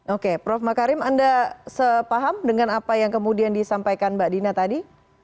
oke prof makarim anda sepaham dengan apa yang kemudian disampaikan mbak dina tadi